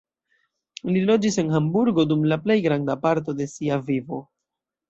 Li loĝis en Hamburgo dum la plej granda parto de sia vivo.